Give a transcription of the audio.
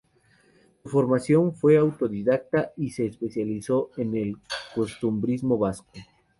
Su formación fue autodidacta y se especializó en el costumbrismo vasco.